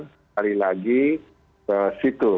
pertandingan kali lagi ke situ